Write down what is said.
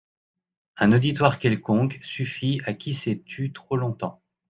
Un auditoire quelconque suffit à qui s'est tu trop longtemps.